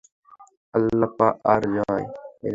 আয়াপ্পা এর জয়!